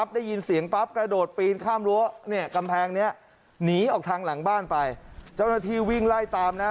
บ้านนี้นะเจ้าของบ้านนั้นเนี่ย